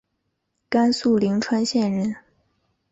甘肃灵川县人。